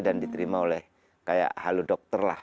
dan diterima oleh kayak halu dokter lah